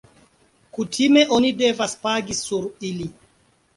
Kutime oni devas pagi sur ili.